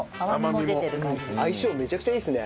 相性めちゃくちゃいいですね。